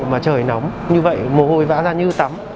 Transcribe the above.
mà trời nóng như vậy mồ hôi vã ra như tắm